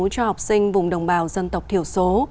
cho học sinh vùng đồng bào dân tộc thiểu số